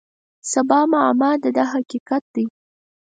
سبا معما ده دا حقیقت دی.